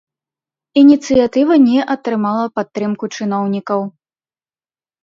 Ініцыятыва не атрымала падтрымку чыноўнікаў.